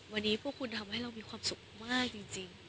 วันนี้พวกคุณทำให้เรามีความสุขมากจริง